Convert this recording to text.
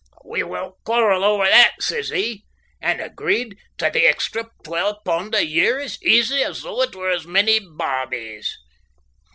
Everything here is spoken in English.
"We won't quarrel ower that," says he, and agreed tae the extra twal' pund a year as easy as though it were as many bawbees.